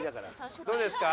どうですか？